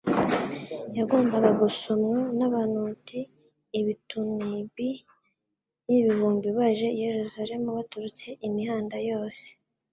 yagombaga gusomwa n'abanut ibihutnbi n'ibihumbi baje i Yerusalemu baturutse imihanda yose.